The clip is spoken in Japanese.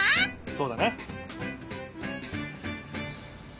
そうだな！